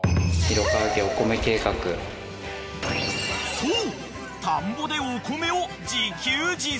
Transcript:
［そう］